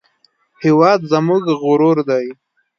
هېواد زموږ غرور دی